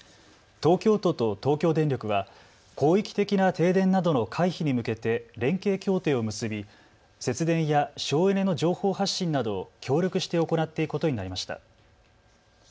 東京都と東京電力は広域的な停電などの回避に向けて連携協定を結び節電や省エネの情報発信などを協力して行っていくことになりました。